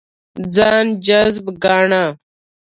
ځان جذاب ګاڼه.